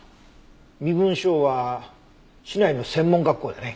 身分証は市内の専門学校だね。